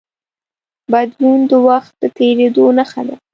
بدلون د وخت د تېرېدو نښه ده.